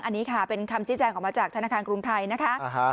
อันนี้ค่ะเป็นคำชี้แจงออกมาจากธนาคารกรุงไทยนะคะ